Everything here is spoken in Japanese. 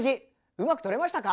うまく撮れましたか？